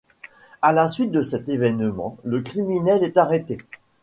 À la suite de cet événement, le criminel est arrêté.